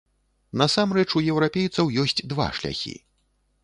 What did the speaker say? Насамрэч у еўрапейцаў ёсць два шляхі.